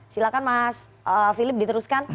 silahkan mas philips diteruskan